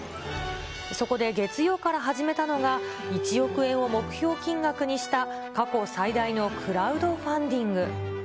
そこで月曜から始めたのが、１億円を目標金額にした過去最大のクラウドファンディング。